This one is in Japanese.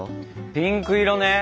ピンク色ね。